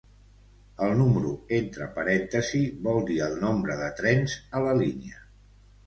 El número entre parèntesis vol dir el nombre de trens a la línia.